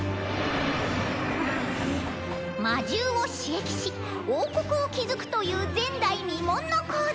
「魔獣を使役し王国を築くという前代未聞の行動！